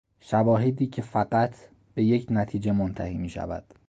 شواهدی که فقط به یک نتیجه منتهی میشود.